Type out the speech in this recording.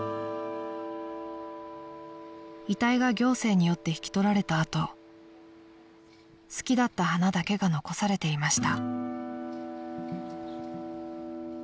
［遺体が行政によって引き取られた後好きだった花だけが残されていました］